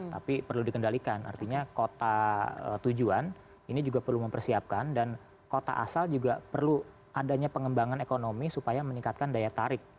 tapi perlu dikendalikan artinya kota tujuan ini juga perlu mempersiapkan dan kota asal juga perlu adanya pengembangan ekonomi supaya meningkatkan daya tarik